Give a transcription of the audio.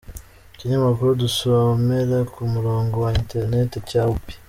Ikinyamakuru dusomera ku murongo wa internet cya upi.